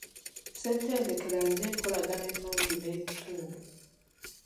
Ssettendekero alina enkolagana ennungi n'ekitundu.